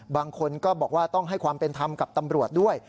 บางคนก็บอกว่าต้องให้ความเป็นธรรมกับตำรวจด้วย